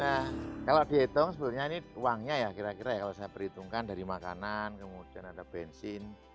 nah kalau dihitung sebenarnya ini uangnya ya kira kira ya kalau saya perhitungkan dari makanan kemudian ada bensin